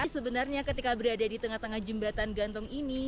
sebenarnya ketika berada di tengah tengah jembatan gantung ini